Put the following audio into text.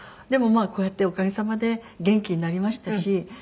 でもこうやっておかげさまで元気になりましたし。